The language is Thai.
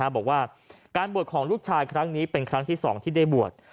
บอกว่าการบวชของลูกชายครั้งนี้เป็นครั้งที่๒ที่ได้บวช